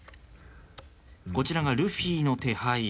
こちらがルフィの手牌。